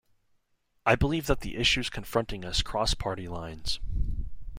I believe that the issues confronting us cross party lines.